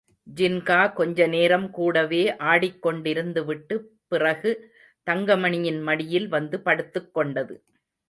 ஜின்கா கொஞ்ச நேரம் கூடவே ஆடிக்கொண்டிருந்துவிட்டுப் பிறகு தங்கமணியின் மடியில் வந்து படுத்துக் கொண்டது.